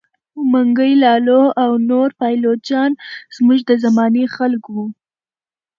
منګی لالو او نور پایلوچان زموږ د زمانې خلک وه.